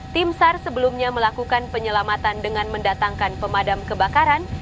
tim sar sebelumnya melakukan penyelamatan dengan mendatangkan pemadam kebakaran